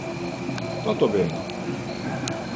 Toto ben!